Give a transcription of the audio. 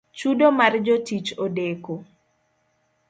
Chudo mar jotich odeko